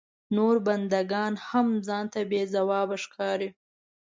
نور بنده ګان هم ځان ته بې ځوابه ښکاري.